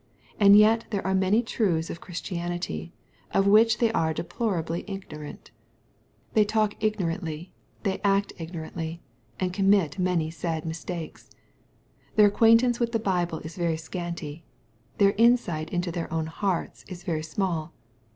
And yet there are many truths of Christianity, of which they are deplora bly ignorant. They talk ignorantly, they act ignorantly, and conmiit many sad mistakes. Their acquaintance with the Bible is very scanty. Their insight into their own hearts is very small.